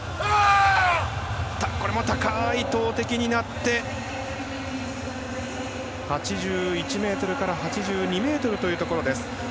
これも高い投てきになって８１ｍから８２ｍというところです。